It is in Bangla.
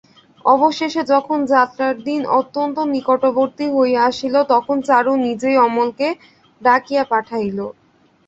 অবশেষে যখন যাত্রার দিন অত্যন্ত নিকটবর্তী হইয়া আসিল তখন চারু নিজেই অমলকে ডাকিয়া পাঠাইল।